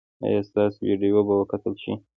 ایا ستاسو ویډیو به وکتل شي؟